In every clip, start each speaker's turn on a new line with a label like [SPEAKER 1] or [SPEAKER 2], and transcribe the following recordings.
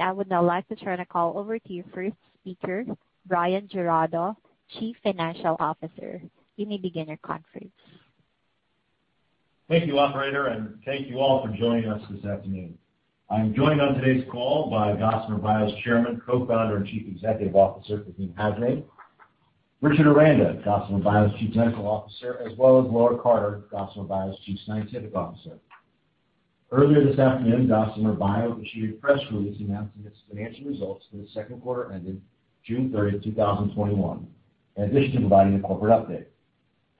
[SPEAKER 1] I would now like to turn the call over to your first speaker, Bryan Giraudo, Chief Financial Officer.
[SPEAKER 2] Thank you, operator, and thank you all for joining us this afternoon. I'm joined on today's call by Gossamer Bio's Chairman, Co-Founder, and Chief Executive Officer, Faheem Hasnain, Richard Aranda, Gossamer Bio's Chief Medical Officer, as well as Laura Carter, Gossamer Bio's Chief Scientific Officer. Earlier this afternoon, Gossamer Bio issued a press release announcing its financial results for the second quarter ending June 30th, 2021, in addition to providing a corporate update.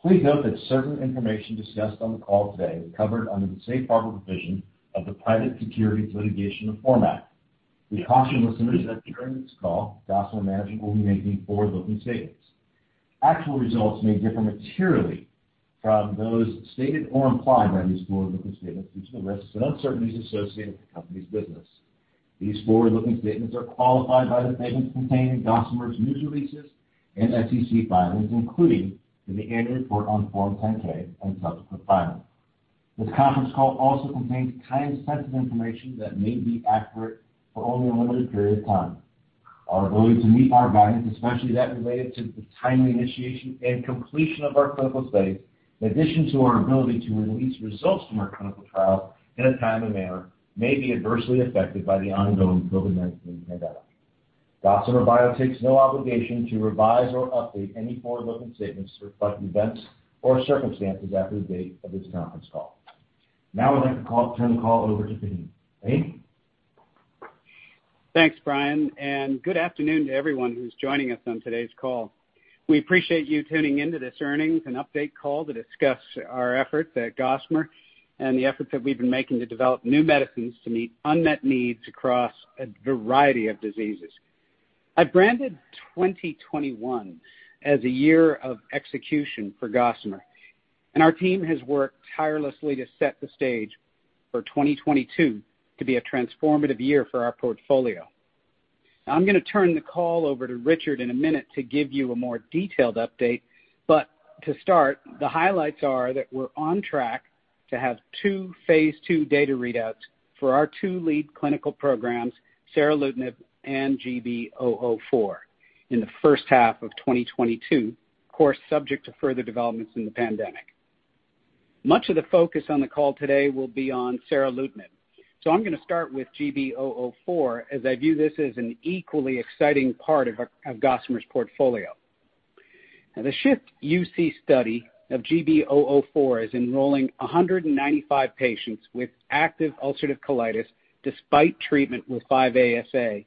[SPEAKER 2] Please note that certain information discussed on the call today is covered under the safe harbor provision of the Private Securities Litigation Reform Act. We caution listeners that during this call, Gossamer management will be making forward-looking statements. Actual results may differ materially from those stated or implied by these forward-looking statements due to the risks and uncertainties associated with the company's business. These forward-looking statements are qualified by the statements contained in Gossamer's news releases and SEC filings, including in the annual report on Form 10-K and subsequent filings. This conference call also contains time-sensitive information that may be accurate for only a limited period of time. Our ability to meet our guidance, especially that related to the timely initiation and completion of our clinical studies, in addition to our ability to release results from our clinical trial in a timely manner, may be adversely affected by the ongoing COVID-19 pandemic. Gossamer Bio takes no obligation to revise or update any forward-looking statements to reflect events or circumstances after the date of this conference call. I'd like to turn the call over to Faheem. Faheem?
[SPEAKER 3] Thanks, Bryan. Good afternoon to everyone who's joining us on today's call. We appreciate you tuning in to this earnings and update call to discuss our efforts at Gossamer and the efforts that we've been making to develop new medicines to meet unmet needs across a variety of diseases. I've branded 2021 as a year of execution for Gossamer, and our team has worked tirelessly to set the stage for 2022 to be a transformative year for our portfolio. I'm going to turn the call over to Richard in a minute to give you a more detailed update. To start, the highlights are that we're on track to have two phase II data readouts for our two lead clinical programs, seralutinib and GB004, in the first half of 2022. Of course, subject to further developments in the pandemic. Much of the focus on the call today will be on seralutinib. I'm going to start with GB004 as I view this as an equally exciting part of Gossamer's portfolio. The SHIFT-UC study of GB004 is enrolling 195 patients with active ulcerative colitis despite treatment with 5-ASA,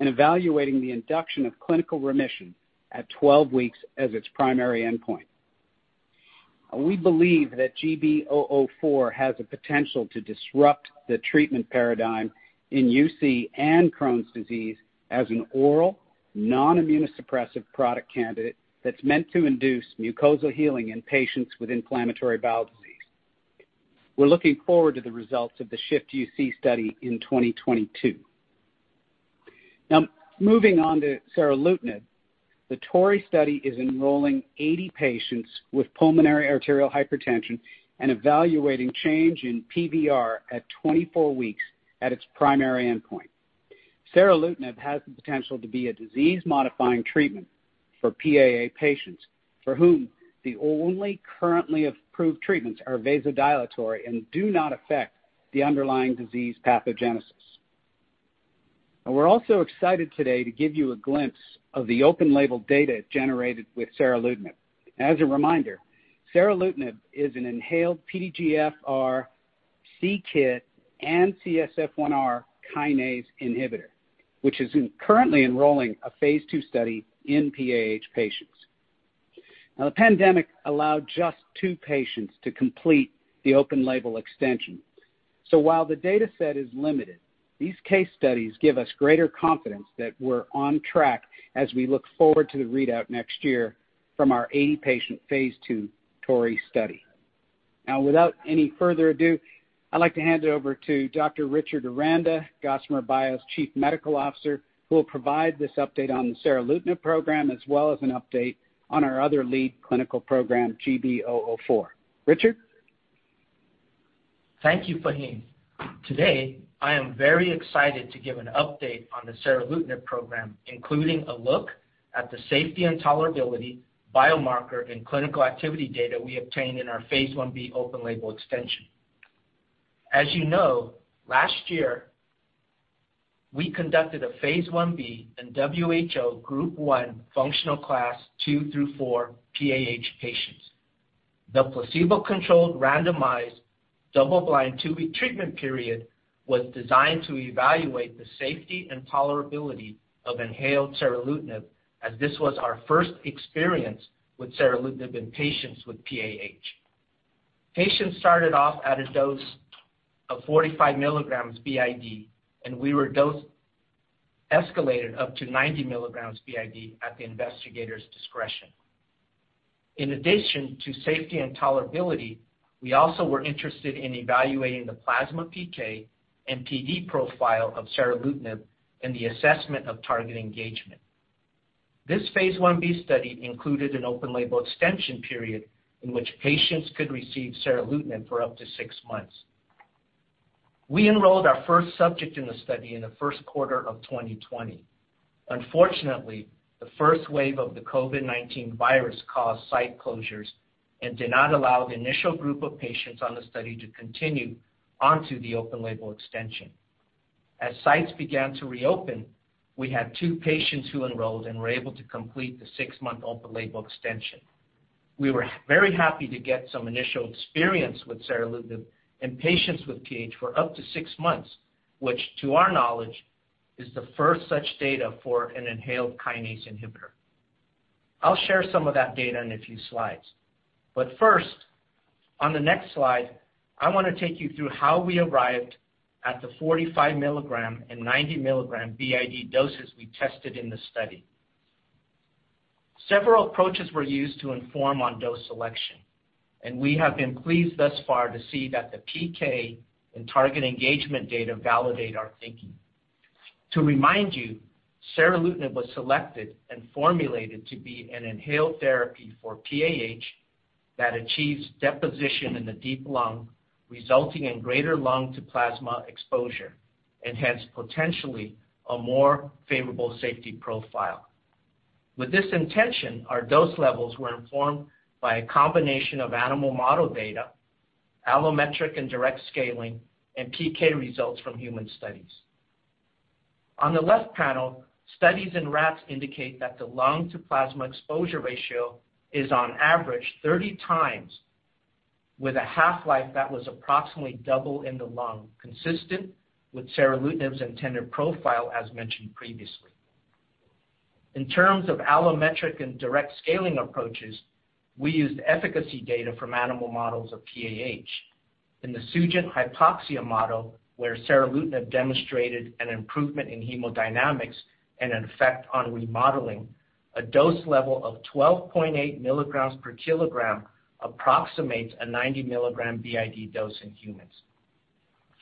[SPEAKER 3] and evaluating the induction of clinical remission at 12 weeks as its primary endpoint. We believe that GB004 has the potential to disrupt the treatment paradigm in UC and Crohn's disease as an oral non-immunosuppressive product candidate that's meant to induce mucosal healing in patients with inflammatory bowel disease. We're looking forward to the results of the SHIFT-UC study in 2022. Moving on to seralutinib. The TORREY study is enrolling 80 patients with pulmonary arterial hypertension and evaluating the change in PVR at 24 weeks at its primary endpoint. Seralutinib has the potential to be a disease-modifying treatment for PAH patients for whom the only currently approved treatments are vasodilatory and do not affect the underlying disease pathogenesis. We're also excited today to give you a glimpse of the open-label data generated with seralutinib. As a reminder, seralutinib is an inhaled PDGFR, c-KIT, and CSF1R kinase inhibitor, which is currently enrolling a phase II study in PAH patients. The pandemic allowed just two patients to complete the open-label extension. While the data set is limited, these case studies give us greater confidence that we're on track as we look forward to the readout next year from our 80-patient phase II TORREY study. Now, without any further ado, I'd like to hand it over to Dr. Richard Aranda, Gossamer Bio's Chief Medical Officer, who will provide this update on the seralutinib program, as well as an update on our other lead clinical program, GB004. Richard?
[SPEAKER 4] Thank you, Faheem. Today, I am very excited to give an update on the seralutinib program, including a look at the safety and tolerability, biomarker, and clinical activity data we obtained in our phase I-B open-label extension. As you know, last year, we conducted a phase I-B in WHO Group 1 functional Class II through IV PAH patients. The placebo-controlled, randomized, double-blind two-week treatment period was designed to evaluate the safety and tolerability of inhaled seralutinib, as this was our first experience with seralutinib in patients with PAH. Patients started off at a dose of 45 mg BID, and we were dose-escalated up to 90 mg BID at the investigator's discretion. In addition to safety and tolerability, we were also interested in evaluating the plasma PK and PD profile of seralutinib and the assessment of target engagement. This phase I-B study included an open-label extension period in which patients could receive seralutinib for up to six months. We enrolled our first subject in the study in the first quarter of 2020. Unfortunately, the first wave of the COVID-19 virus caused site closures and did not allow the initial group of patients on the study to continue onto the open-label extension. As sites began to reopen, we had two patients who enrolled and were able to complete the six-month open-label extension. We were very happy to get some initial experience with seralutinib in patients with PAH for up to six months, which to our knowledge, is the first such data for an inhaled kinase inhibitor. I'll share some of that data in a few slides. First, on the next slide, I want to take you through how we arrived at the 45 mg and 90 mg BID doses we tested in the study. Several approaches were used to inform on dose selection, and we have been pleased thus far to see that the PK and target engagement data validate our thinking. To remind you, seralutinib was selected and formulated to be an inhaled therapy for PAH that achieves deposition in the deep lung, resulting in greater lung to plasma exposure, and hence potentially a more favorable safety profile. With this intention, our dose levels were informed by a combination of animal model data, allometric and direct scaling, and PK results from human studies. On the left panel, studies in rats indicate that the lung to plasma exposure ratio is on average 30x, with a half-life that was approximately double in the lung, consistent with seralutinib's intended profile, as mentioned previously. In terms of allometric and direct scaling approaches, we used efficacy data from animal models of PAH. In the Sugen hypoxia model, where seralutinib demonstrated an improvement in hemodynamics and an effect on remodeling, a dose level of 12.8 mg/kg approximates a 90 mg BID dose in humans.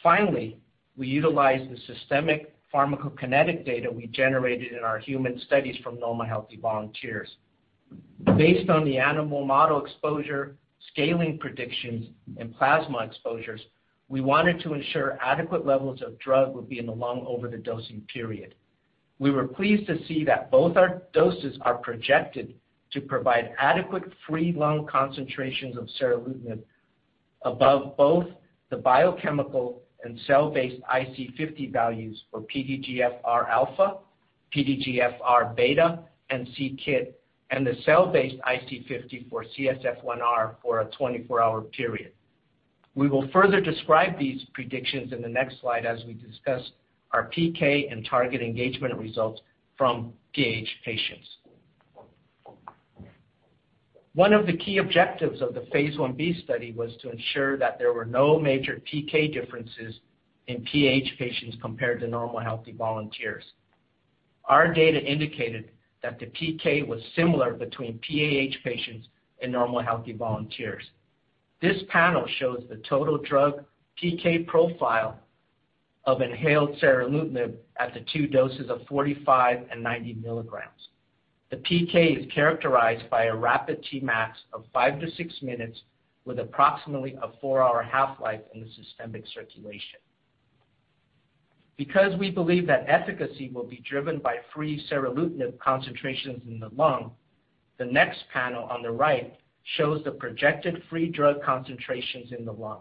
[SPEAKER 4] Finally, we utilized the systemic pharmacokinetic data we generated in our human studies from normal healthy volunteers. Based on the animal model exposure, scaling predictions, and plasma exposures, we wanted to ensure adequate levels of the drug would be in the lung over the dosing period. We were pleased to see that both our doses are projected to provide adequate free lung concentrations of seralutinib above both the biochemical and cell-based IC50 values for PDGFR alpha, PDGFR beta, and c-KIT, and the cell-based IC50 for CSF1R for a 24-hour period. We will further describe these predictions in the next slide as we discuss our PK and target engagement results from PAH patients. One of the key objectives of the phase I-B study was to ensure that there were no major PK differences in PAH patients compared to normal healthy volunteers. Our data indicated that the PK was similar between PAH patients and normal healthy volunteers. This panel shows the total drug PK profile of inhaled seralutinib at the two doses of 45 mg and 90 mg. The PK is characterized by a rapid Tmax of five to six minutes, with approximately a four-hour half-life in the systemic circulation. Because we believe that efficacy will be driven by free seralutinib concentrations in the lung, the next panel on the right shows the projected free drug concentrations in the lung.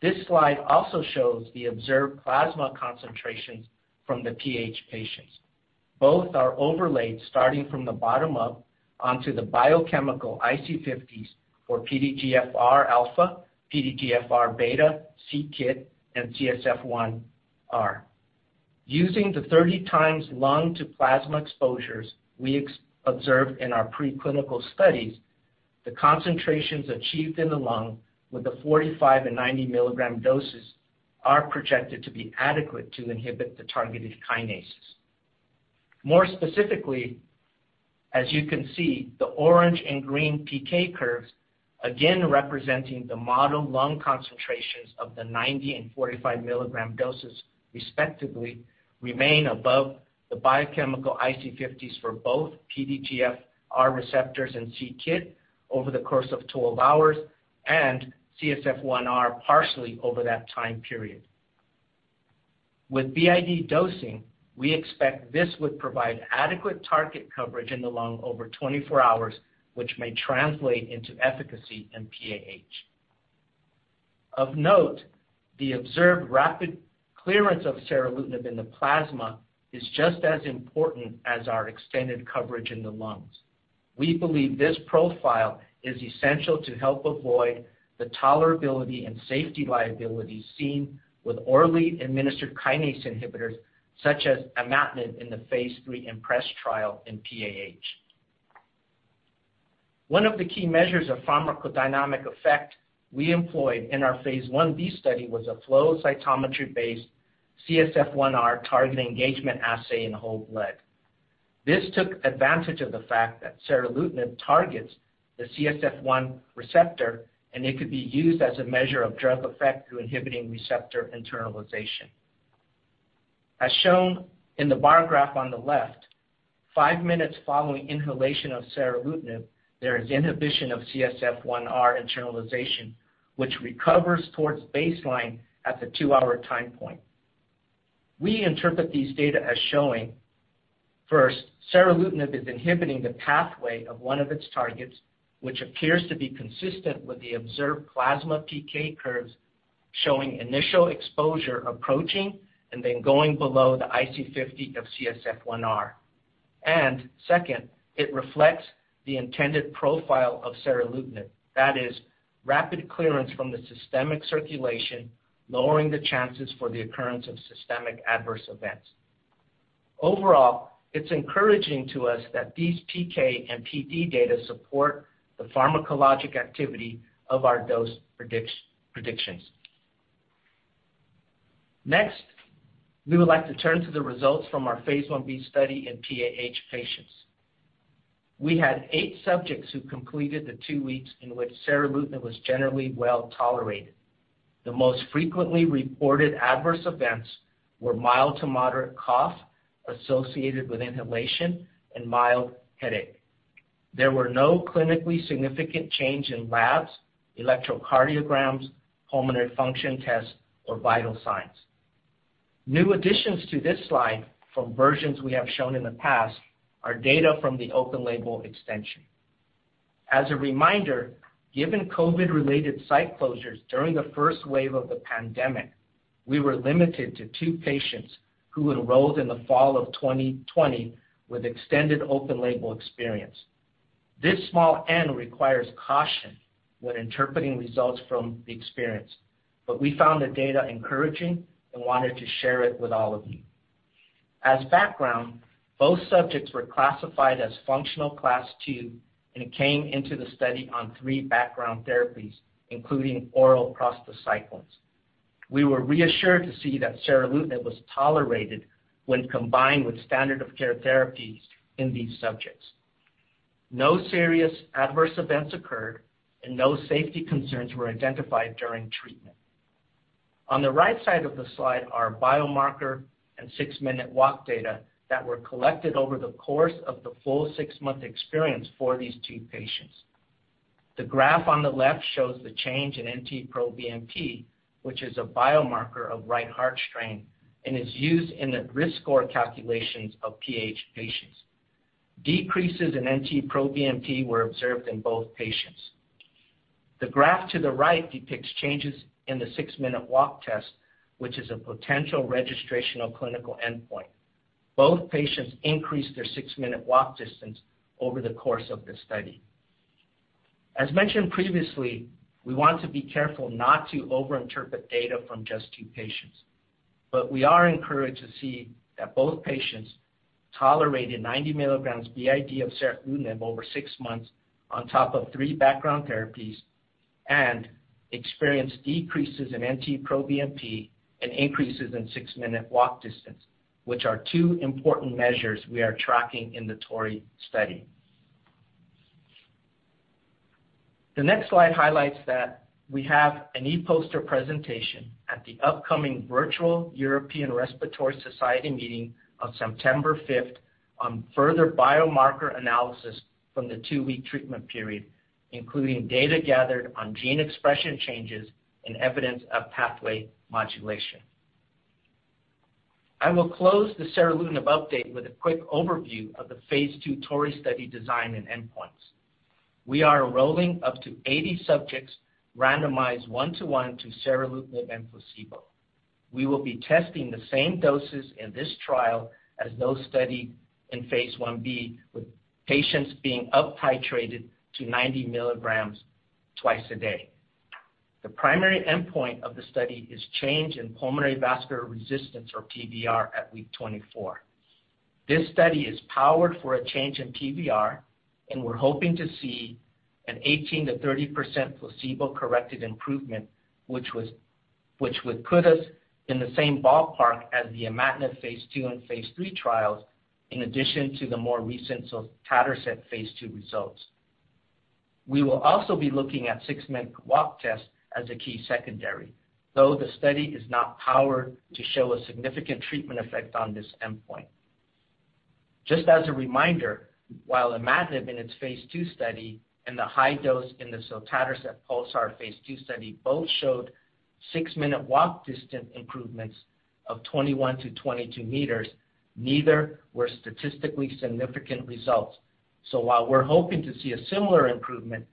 [SPEAKER 4] This slide also shows the observed plasma concentrations from the PAH patients. Both are overlaid starting from the bottom up onto the biochemical IC50s for PDGFR alpha, PDGFR beta, c-KIT, and CSF1R. Using the 30x lung to plasma exposures we observed in our preclinical studies, the concentrations achieved in the lung with the 45 mg and 90 mg doses are projected to be adequate to inhibit the targeted kinases. More specifically, as you can see, the orange and green PK curves, again, representing the model lung concentrations of the 90 mg and 45 mg doses, respectively, remain above the biochemical IC50s for both PDGFR receptors and c-KIT over the course of 12 hours, and CSF1R partially over that time period. With BID dosing, we expect this would provide adequate target coverage in the lung over 24 hours, which may translate into efficacy in PAH. Of note, the observed rapid clearance of seralutinib in the plasma is just as important as our extended coverage in the lungs. We believe this profile is essential to help avoid the tolerability and safety liabilities seen with orally administered kinase inhibitors, such as imatinib, in the phase III IMPRES trial in PAH. One of the key measures of pharmacodynamic effect we employed in our phase I-B study was a flow cytometry-based CSF1R target engagement assay in whole blood. This took advantage of the fact that seralutinib targets the CSF1 receptor, and it could be used as a measure of drug effect through inhibiting receptor internalization. As shown in the bar graph on the left, five minutes following inhalation of seralutinib, there is inhibition of CSF1R internalization, which recovers towards baseline at the two-hour time point. We interpret these data as showing, first, seralutinib is inhibiting the pathway of one of its targets, which appears to be consistent with the observed plasma PK curves, showing initial exposure approaching and then going below the IC50 of CSF1R. Second, it reflects the intended profile of seralutinib, that is, rapid clearance from the systemic circulation, lowering the chances for the occurrence of systemic adverse events. Overall, it's encouraging to us that these PK and PD data support the pharmacologic activity of our dose predictions. Next, we would like to turn to the results from our phase I-B study in PAH patients. We had eight subjects who completed the two weeks in which seralutinib was generally well-tolerated. The most frequently reported adverse events were a mild to moderate cough associated with inhalation and a mild headache. There were no clinically significant changes in labs, electrocardiograms, pulmonary function tests, or vital signs. New additions to this slide from versions we have shown in the past are data from the open-label extension. As a reminder, given COVID-19-related site closures during the first wave of the pandemic, we were limited to two patients who enrolled in the fall of 2020 with extended open-label experience. This small N requires caution when interpreting results from the experience. We found the data encouraging and wanted to share it with all of you. As background, both subjects were classified as functional Class II and came into the study on three background therapies, including oral prostacyclins. We were reassured to see that seralutinib was tolerated when combined with standard of care therapies in these subjects. No serious adverse events occurred, and no safety concerns were identified during treatment. On the right side of the slide are biomarker and six-minute walk data that were collected over the course of the full six-month experience for these two patients. The graph on the left shows the change in NT-proBNP, which is a biomarker of right heart strain and is used in the risk score calculations of PAH patients. Decreases in NT-proBNP were observed in both patients. The graph to the right depicts changes in the six-minute walk test, which is a potential registrational clinical endpoint. Both patients increased their six-minute walk distance over the course of the study. As mentioned previously, we want to be careful not to over-interpret data from just two patients. We are encouraged to see that both patients tolerated 90 mg BID of seralutinib over six months on top of three background therapies and experienced decreases in NT-proBNP and increases in six-minute walk distance, which are two important measures we are tracking in the TORREY study. The next slide highlights that we have an e-poster presentation at the upcoming virtual European Respiratory Society meeting on September 5th on further biomarker analysis from the two-week treatment period, including data gathered on gene expression changes and evidence of pathway modulation. I will close the seralutinib update with a quick overview of the phase II TORREY study design and endpoints. We are enrolling up to 80 subjects randomized 1:1 to seralutinib and placebo. We will be testing the same doses in this trial as those studied in phase I-B, with patients being up-titrated to 90 mg twice a day. The primary endpoint of the study is the change in pulmonary vascular resistance, or PVR, at week 24. This study is powered for a change in PVR. We're hoping to see an 18%-30% placebo-corrected improvement, which would put us in the same ballpark as the imatinib phase II and phase III trials, in addition to the more recent sotatercept phase II results. We will also be looking at six-minute walk tests as a key secondary, though the study is not powered to show a significant treatment effect on this endpoint. Just as a reminder, while imatinib in its phase II study and the high dose in the sotatercept PULSAR phase II study both showed six-minute walk distance improvements of 21 m-22 m, neither were statistically significant result. While we're hoping to see a similar improvement,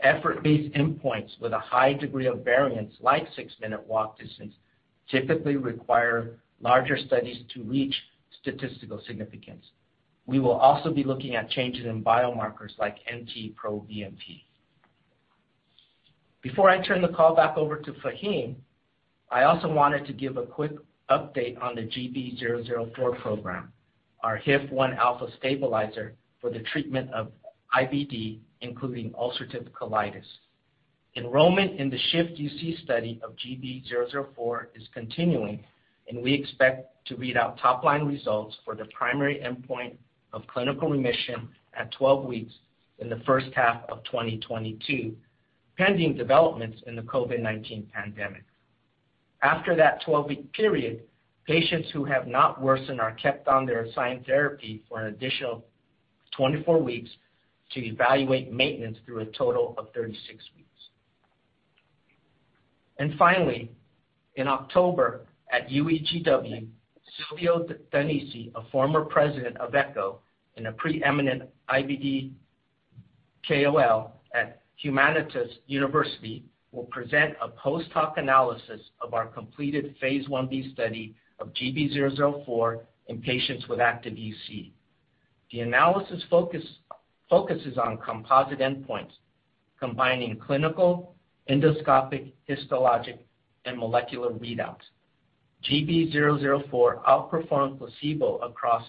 [SPEAKER 4] effort-based endpoints with a high degree of variance, like six-minute walk distance, typically require larger studies to reach statistical significance. We will also be looking at changes in biomarkers like NT-proBNP. Before I turn the call back over to Faheem, I also wanted to give a quick update on the GB004 program, our HIF-1 alpha stabilizer for the treatment of IBD, including ulcerative colitis. Enrollment in the SHIFT-UC study of GB004 is continuing. We expect to read out the top-line results for the primary endpoint of clinical remission at 12 weeks in the first half of 2022. Pending developments in the COVID-19 pandemic. After that 12-week period, patients who have not worsened are kept on their assigned therapy for an additional 24 weeks to evaluate maintenance through a total of 36 weeks. Finally, in October at UEGW, Silvio Danese, a former President of ECCO and a preeminent IBD KOL at Humanitas University, will present a post-hoc analysis of our completed phase I-B study of GB004 in patients with active UC. The analysis focuses on composite endpoints combining clinical, endoscopic, histologic, and molecular readouts. GB004 outperformed placebo across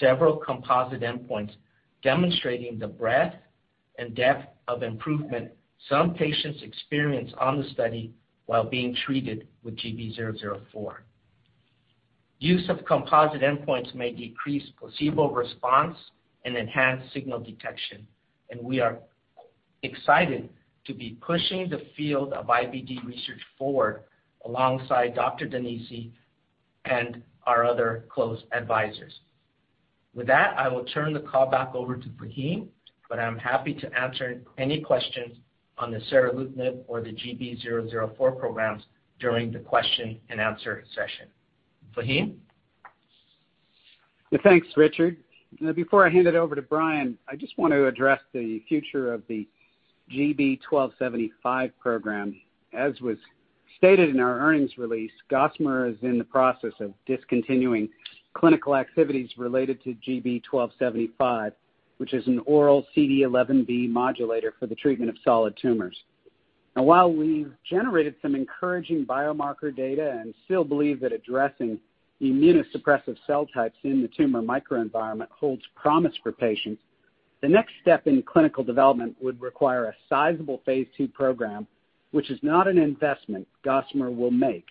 [SPEAKER 4] several composite endpoints, demonstrating the breadth and depth of improvement some patients experienced on the study while being treated with GB004. Use of composite endpoints may decrease placebo response and enhance signal detection, and we are excited to be pushing the field of IBD research forward alongside Dr. Danese and our other close advisors. With that, I will turn the call back over to Faheem, but I'm happy to answer any questions on the seralutinib or the GB004 programs during the question-and-answer session. Faheem?
[SPEAKER 3] Thanks, Richard. Before I hand it over to Bryan, I just want to address the future of the GB1275 program. As was stated in our earnings release, Gossamer is in the process of discontinuing clinical activities related to GB1275, which is an oral CD11b modulator for the treatment of solid tumors. While we've generated some encouraging biomarker data and still believe that addressing immunosuppressive cell types in the tumor microenvironment holds promise for patients, the next step in clinical development would require a sizable phase II program, which is not an investment Gossamer will make,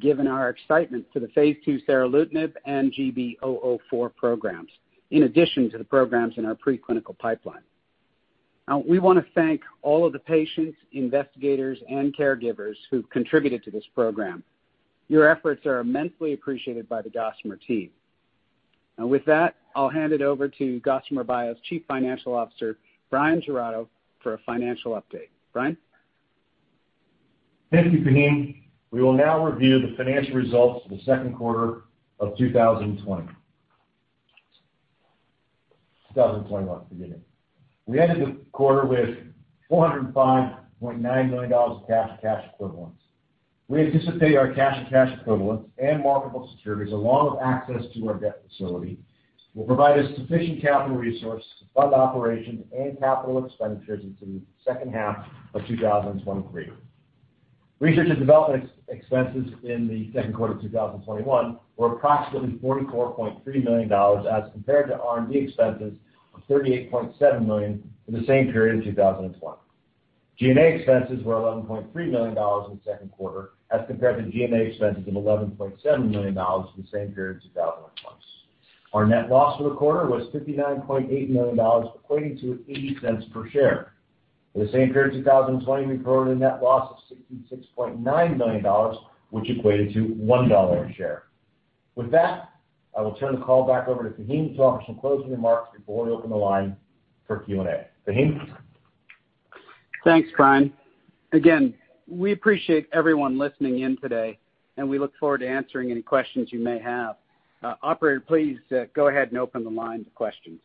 [SPEAKER 3] given our excitement for the phase II seralutinib and GB004 programs, in addition to the programs in our preclinical pipeline. We want to thank all of the patients, investigators, and caregivers who contributed to this program. Your efforts are immensely appreciated by the Gossamer team. Now with that, I'll hand it over to Gossamer Bio's Chief Financial Officer, Bryan Giraudo, for a financial update. Bryan?
[SPEAKER 2] Thank you, Faheem. We will now review the financial results for the second quarter of 2020. 2021, forgive me. We ended the quarter with $405.9 million of cash and cash equivalents. We anticipate our cash and cash equivalents and marketable securities, along with access to our debt facility, will provide us sufficient capital resources to fund operations and capital expenditures into the second half of 2023. Research and development expenses in the second quarter of 2021 were approximately $44.3 million as compared to R&D expenses of $38.7 million in the same period in 2020. G&A expenses were $11.3 million in the second quarter, as compared to G&A expenses of $11.7 million in the same period in 2020. Our net loss for the quarter was $59.8 million, equating to $0.80 per share. For the same period in 2020, we reported a net loss of $66.9 million, which equated to $1 a share. With that, I will turn the call back over to Faheem to offer some closing remarks before we open the line for Q&A. Faheem?
[SPEAKER 3] Thanks, Bryan. We appreciate everyone listening in today, and we look forward to answering any questions you may have. Operator, please go ahead and open the line to questions.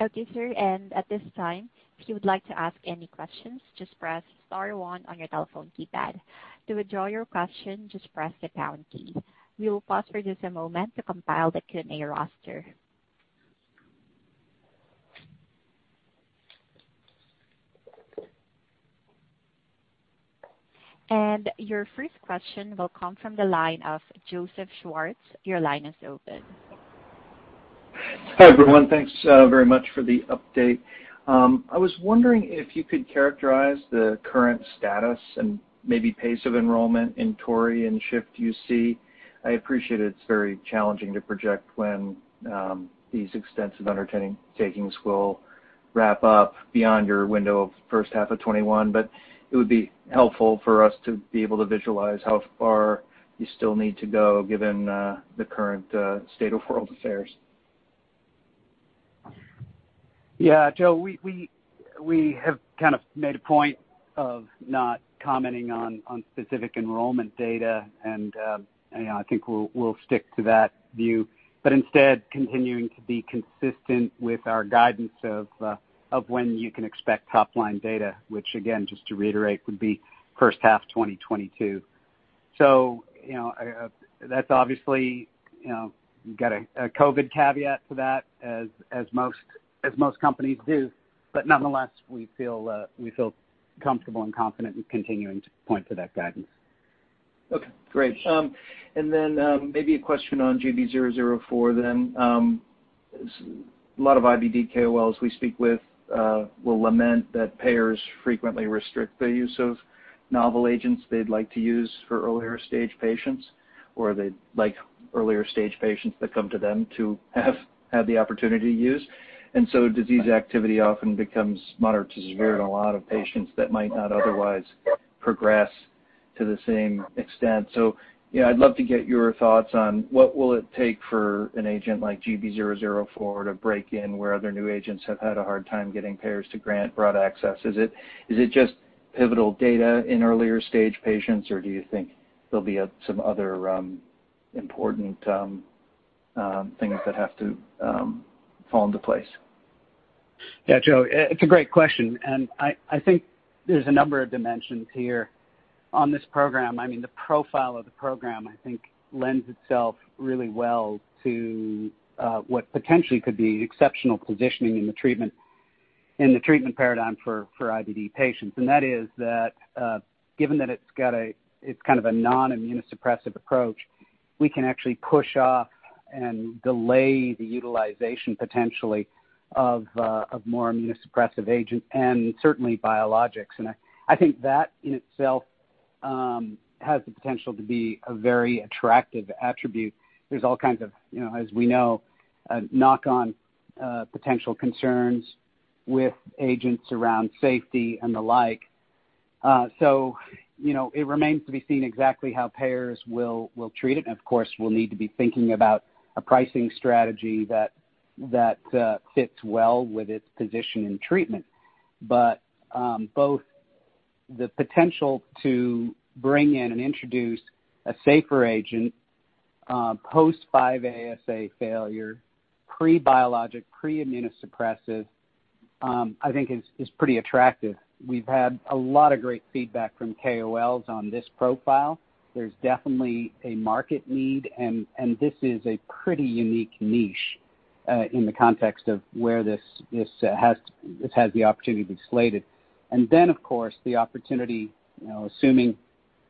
[SPEAKER 1] Okay, sir. At this time, if you would like to ask any questions, just press star one on your telephone keypad. To withdraw your question, just press the pound key. We will pause for just a moment to compile the Q&A roster. Your first question will come from the line of Joseph Schwartz. Your line is open.
[SPEAKER 5] Hi, everyone. Thanks very much for the update. I was wondering if you could characterize the current status and maybe pace of enrollment in TORREY and SHIFT-UC. I appreciate it's very challenging to project when these extensive undertakings will wrap up beyond your window of the first half of 2021. It would be helpful for us to be able to visualize how far you still need to go, given the current state of world affairs.
[SPEAKER 3] Yeah, Joe. We have kind of made a point of not commenting on specific enrollment data, and I think we'll stick to that view. Instead, continuing to be consistent with our guidance of when you can expect top-line data, which again, just to reiterate, would be the first half of 2022. That's obviously, you got a COVID caveat to that as most companies do. Nonetheless, we feel comfortable and confident in continuing to point to that guidance.
[SPEAKER 5] Okay, great. Maybe a question on GB004. A lot of IBD KOLs we speak with will lament that payers frequently restrict the use of novel agents they'd like to use for earlier-stage patients, or they'd like earlier-stage patients that come to them to have the opportunity to use. Disease activity often becomes moderate to severe in a lot of patients that might not otherwise progress to the same extent. I'd love to get your thoughts on what it will take for an agent like GB004 to break in where other new agents have had a hard time getting payers to grant broad access. Is it just pivotal data in earlier-stage patients, or do you think there'll be some other important things that have to fall into place?
[SPEAKER 3] Yeah, Joe, it's a great question, and I think there's a number of dimensions here on this program. The profile of the program, I think, lends itself really well to what potentially could be exceptional positioning in the treatment paradigm for IBD patients. That is that, given that it's kind of a non-immunosuppressive approach, we can actually push off and delay the utilization, potentially, of more immunosuppressive agents and certainly biologics. I think that, in itself, has the potential to be a very attractive attribute. There's all kinds of, as we know, knock-on potential concerns with agents around safety and the like. It remains to be seen exactly how payers will treat it. Of course, we'll need to be thinking about a pricing strategy that fits well with its position and treatment. Both the potential to bring in and introduce a safer agent post 5-ASA failure, pre-biologic, pre-immunosuppressive, I think, is pretty attractive. We've had a lot of great feedback from KOLs on this profile. There's definitely a market need, and this is a pretty unique niche in the context of where this has the opportunity to be slated. Of course, the opportunity, assuming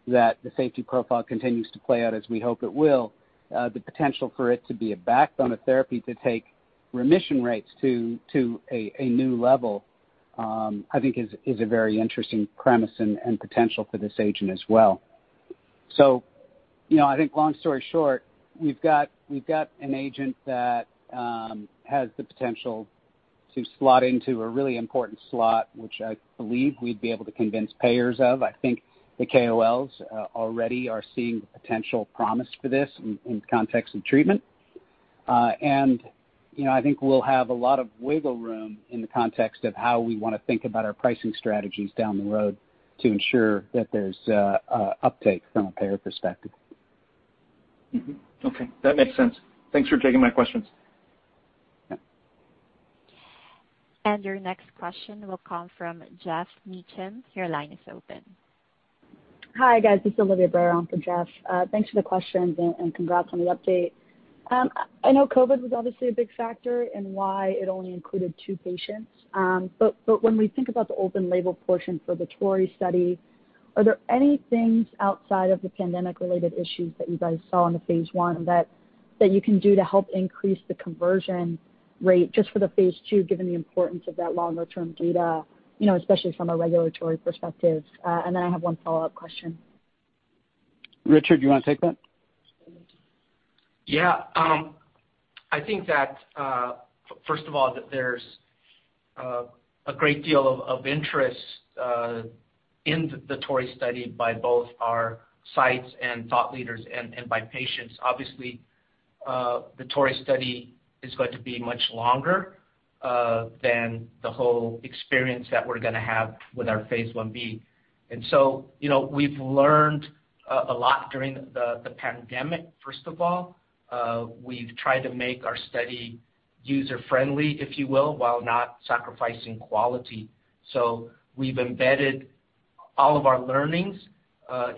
[SPEAKER 3] that the safety profile continues to play out as we hope it will, the potential for it to be a backbone of therapy to take remission rates to a new level, I think, is a very interesting premise and potential for this agent as well. I think long story short, we've got an agent that has the potential to slot into a really important slot, which I believe we'd be able to convince payers of. I think the KOLs already are seeing the potential promise for this in the context of treatment. I think we'll have a lot of wiggle room in the context of how we want to think about our pricing strategies down the road to ensure that there's uptake from a payer perspective.
[SPEAKER 5] Okay. That makes sense. Thanks for taking my questions.
[SPEAKER 3] Yeah.
[SPEAKER 1] Your next question will come from Geoff Meacham. Your line is open.
[SPEAKER 6] Hi, guys. This is Olivia Brayer for Geoff Meacham. Thanks for the questions and congrats on the update. I know COVID was obviously a big factor in why it only included two patients. When we think about the open-label portion for the TORREY study, are there any things outside of the pandemic-related issues that you guys saw in the phase I that you can do to help increase the conversion rate just for the phase II, given the importance of that longer-term data, especially from a regulatory perspective? Then I have one follow-up question.
[SPEAKER 3] Richard, do you want to take that?
[SPEAKER 4] Yeah. I think that, first of all, that there's a great deal of interest in the TORREY study by both our sites and thought leaders and by patients. Obviously, the TORREY study is going to be much longer than the whole experience that we're going to have with our phase I-B. We've learned a lot during the pandemic. First of all, we've tried to make our study user-friendly, if you will, while not sacrificing quality. We've embedded all of our learnings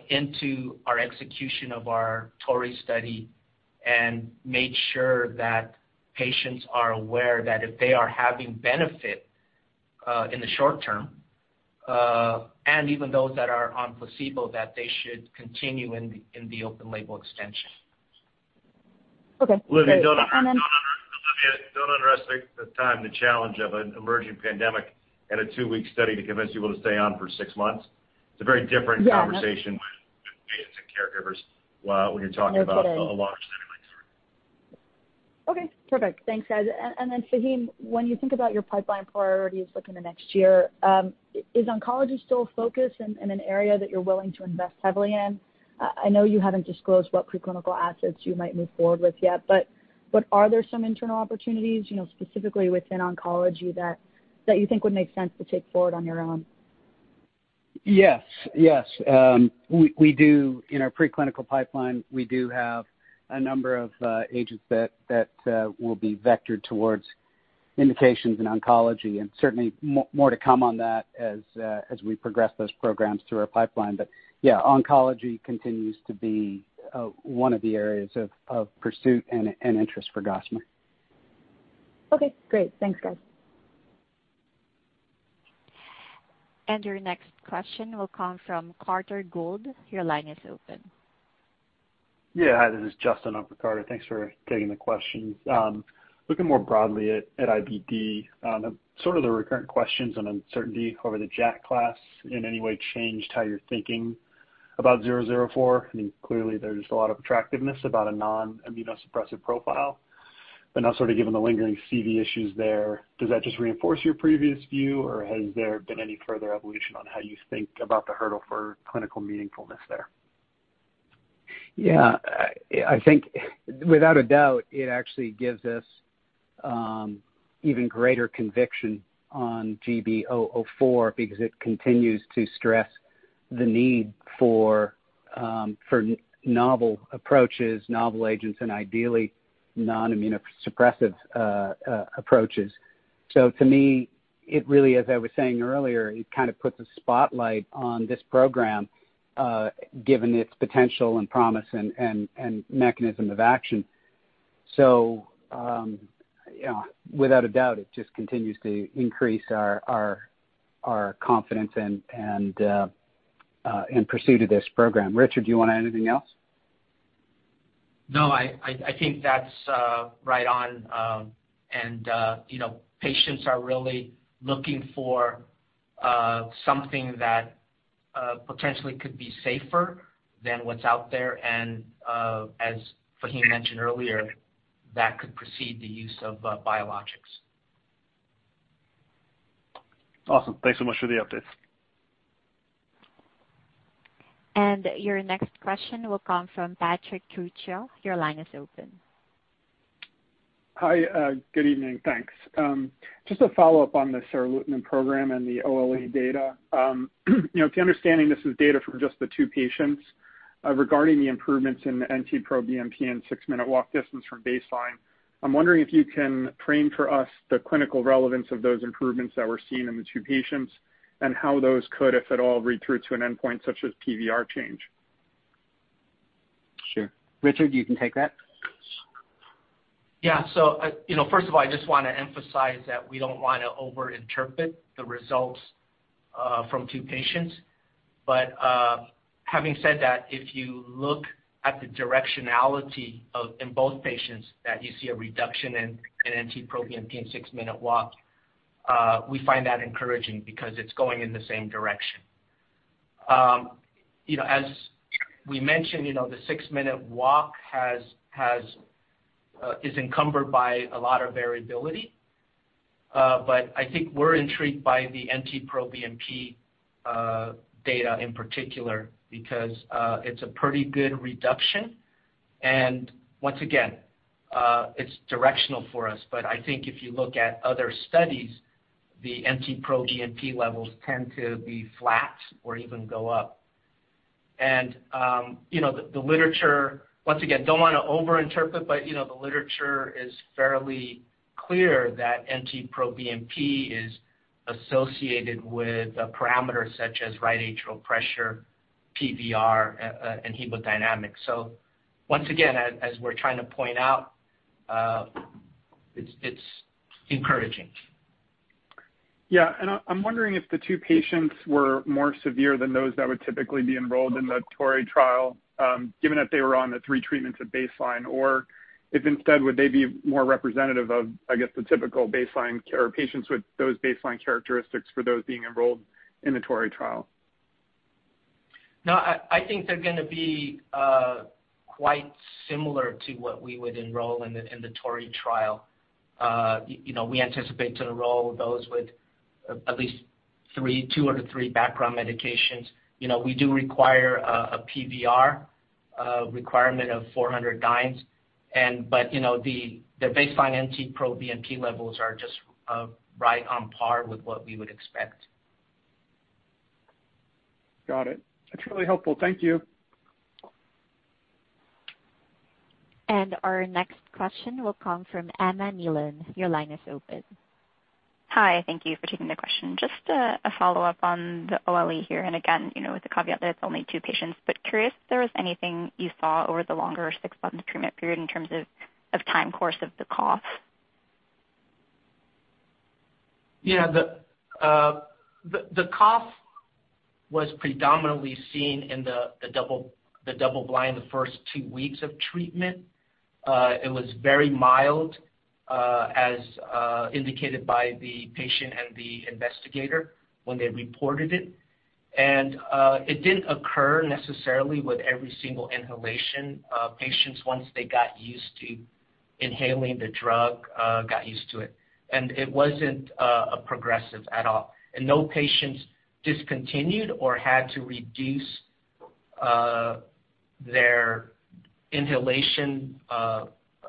[SPEAKER 4] into our execution of our TORREY study and made sure that patients are aware that if they are having benefit in the short term, and even those that are on placebo, that they should continue in the open-label extension.
[SPEAKER 6] Okay. Great.
[SPEAKER 3] Olivia, don't underestimate the time and challenge of an emerging pandemic and a two-week study to convince people to stay on for six months. It's a very different conversation.
[SPEAKER 6] Yeah, no
[SPEAKER 3] With patients and caregivers, when you're talking about.
[SPEAKER 6] No kidding.
[SPEAKER 3] A longer study like TORREY.
[SPEAKER 6] Okay, perfect. Thanks, guys. Faheem, when you think about your pipeline priorities looking at the next year, is oncology still a focus and an area that you're willing to invest heavily in? I know you haven't disclosed what preclinical assets you might move forward with yet, but are there some internal opportunities, specifically within oncology, that you think would make sense to take forward on your own?
[SPEAKER 3] Yes. We do, in our preclinical pipeline, we do have a number of agents that will be vectored towards indications in oncology, and certainly more to come on that as we progress those programs through our pipeline. Yeah, oncology continues to be one of the areas of pursuit and interest for Gossamer.
[SPEAKER 6] Okay, great. Thanks, guys.
[SPEAKER 1] Your next question will come from Carter Gould. Your line is open.
[SPEAKER 7] Yeah. Hi, this is Justin, up for Carter. Thanks for taking the question. Looking more broadly at IBD, have the recurrent questions and uncertainty over the JAK class in any way changed how you're thinking about GB004? I mean, clearly, there's a lot of attractiveness about a non-immunosuppressive profile. Now, sort of given the lingering CV issues there, does that just reinforce your previous view, or has there been any further evolution on how you think about the hurdle for clinical meaningfulness there?
[SPEAKER 3] Yeah. I think without a doubt, it actually gives us even greater conviction on GB004 because it continues to stress the need for novel approaches, novel agents, and ideally non-immunosuppressive approaches. To me, it really, as I was saying earlier, it kind of puts a spotlight on this program, given its potential, and promise, and mechanism of action. Without a doubt, it just continues to increase our confidence and pursue to this program. Richard, do you want to add anything else?
[SPEAKER 4] No, I think that's right on. Patients are really looking for something that potentially could be safer than what's out there, and as Faheem mentioned earlier, that could precede the use of biologics.
[SPEAKER 7] Awesome. Thanks so much for the updates.
[SPEAKER 1] Your next question will come from Patrick Trucchio. Your line is open.
[SPEAKER 8] Hi. Good evening. Thanks. Just a follow-up on the seralutinib program and the OLE data. If I'm understanding, this is data from just the two patients. Regarding the improvements in NT-proBNP and six-minute walk distance from baseline, I'm wondering if you can frame for us the clinical relevance of those improvements that were seen in the two patients and how those could, if at all, read through to an endpoint such as PVR change.
[SPEAKER 3] Sure. Richard, you can take that.
[SPEAKER 4] First of all, I just want to emphasize that we don't want to over-interpret the results from two patients. Having said that, if you look at the directionality in both patients that you see a reduction in NT-proBNP and six-minute walk, we find that encouraging because it's going in the same direction. As we mentioned, the six-minute walk is encumbered by a lot of variability. I think we're intrigued by the NT-proBNP data in particular because it's a pretty good reduction. Once again, it's directional for us, but I think if you look at other studies, the NT-proBNP levels tend to be flat or even go up. The literature, once again, don't want to over-interpret, but the literature is fairly clear that NT-proBNP is associated with parameters such as right atrial pressure, PVR, and hemodynamics. Once again, as we're trying to point out, it's encouraging.
[SPEAKER 8] Yeah. I'm wondering if the if patients were more severe than those that would typically be enrolled in the TORREY trial, given that they were on the three treatments at baseline, or if instead, would they be more representative of, I guess, the typical baseline or patients with those baseline characteristics for those being enrolled in the TORREY trial?
[SPEAKER 4] No, I think they're going to be quite similar to what we would enroll in the TORREY trial. We anticipate to enroll those with at least two out of three background medications. We do require a PVR requirement of 400 dynes. The baseline NT-proBNP levels are just right on par with what we would expect.
[SPEAKER 8] Got it. That's really helpful. Thank you.
[SPEAKER 1] Our next question will come from Emma Nealon. Your line is open.
[SPEAKER 9] Hi. Thank you for taking the question. Just a follow-up on the OLE here, and again, with the caveat that it's only two patients, but curious if there was anything you saw over the longer six-month treatment period in terms of time course of the cough?
[SPEAKER 4] Yeah. The cough was predominantly seen in the double blind, the first two weeks of treatment. It was very mild, as indicated by the patient and the investigator when they reported it. It didn't occur necessarily with every single inhalation. Patients, once they got used to inhaling the drug, got used to it. It wasn't progressive at all. No patients discontinued or had to reduce their inhalation of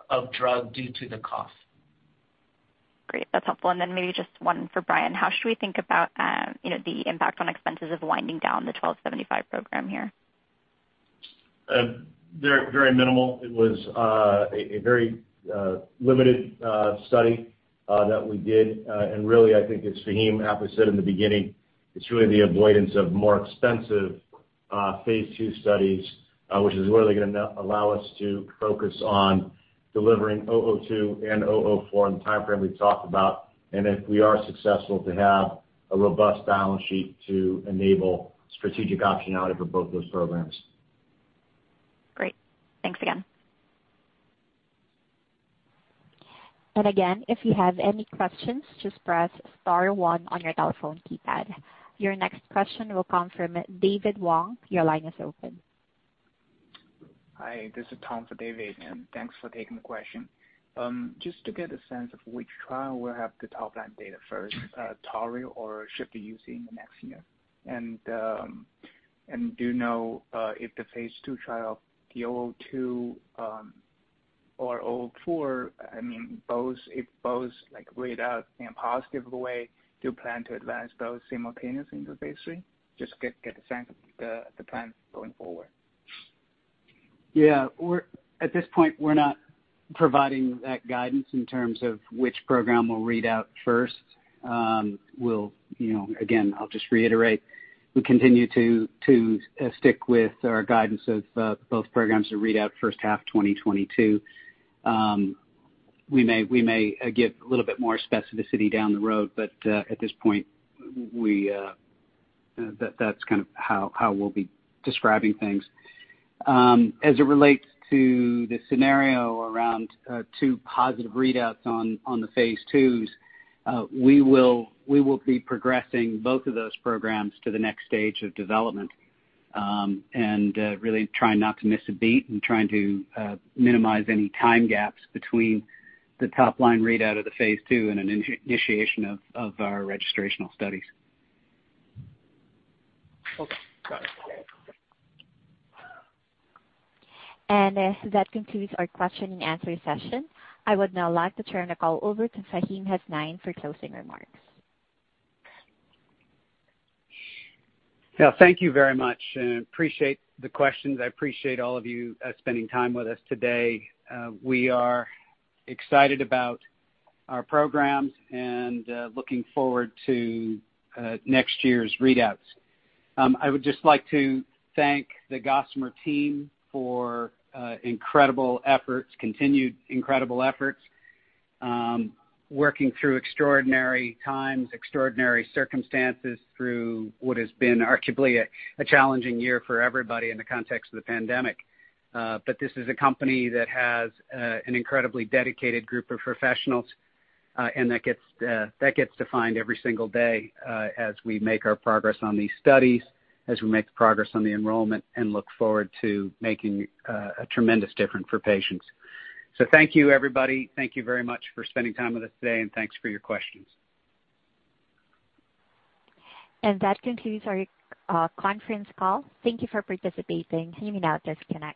[SPEAKER 4] the drug due to the cough.
[SPEAKER 9] Great. That's helpful. Maybe just one for Bryan. How should we think about the impact on expenses of winding down the GB1275 program here?
[SPEAKER 2] Very minimal. It was a very limited study that we did. Really, I think as Faheem aptly said in the beginning, it's really the avoidance of more expensive phase II studies, which is really going to allow us to focus on delivering GB002 and GB004 in the timeframe we've talked about. If we are successful, to have a robust balance sheet to enable strategic optionality for both those programs.
[SPEAKER 9] Great. Thanks again.
[SPEAKER 1] Again, if you have any questions, just press star one on your telephone keypad. Your next question will come from David Wong. Your line is open.
[SPEAKER 10] Hi, this is Tom for David, and thanks for taking the question. Just to get a sense of which trial will have the top-line data first, TORREY or SHIFT-UC, next year. Do you know if the phase II trial, the GB002 or GB004, if both read out in a positive way, do you plan to advance both simultaneously into phase III? Just get the sense of the plan going forward.
[SPEAKER 3] Yeah. At this point, we're not providing that guidance in terms of which program will read out first. I'll just reiterate, we continue to stick with our guidance of both programs to read out first half of 2022. We may give a little bit more specificity down the road, but at this point, that's kind of how we'll be describing things. As it relates to the scenario around two positive readouts on the phase IIs, we will be progressing both of those programs to the next stage of development, and really trying not to miss a beat, and trying to minimize any time gaps between the top-line readout of the phase II and an initiation of our registrational studies.
[SPEAKER 10] Okay, got it.
[SPEAKER 1] That concludes our question and answer session. I would now like to turn the call over to Faheem Hasnain for closing remarks.
[SPEAKER 3] Yeah, thank you very much, and appreciate the questions. I appreciate all of you spending time with us today. We are excited about our programs and looking forward to next year's readouts. I would just like to thank the Gossamer team for incredible efforts, continued incredible efforts, working through extraordinary times, extraordinary circumstances, through what has been arguably a challenging year for everybody in the context of the pandemic. This is a company that has an incredibly dedicated group of professionals, and that gets defined every single day as we make our progress on these studies, as we make progress on the enrollment, and look forward to making a tremendous difference for patients. Thank you, everybody. Thank you very much for spending time with us today, and thanks for your questions.
[SPEAKER 1] That concludes our conference call. Thank you for participating. You may now disconnect.